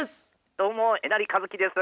どうもえなりかずきです。